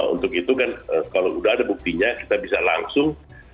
untuk itu kan kalau sudah ada buktinya kita bisa langsung